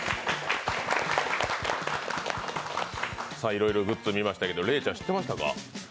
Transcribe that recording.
いろいろグッズ見ましたけど、レイちゃん知ってましたか？